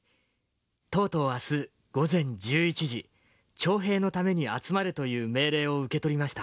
とうとう明日午前１１時徴兵のために集まれという命令を受け取りました。